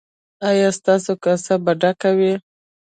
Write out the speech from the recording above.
ایا ستاسو کاسه به ډکه وي؟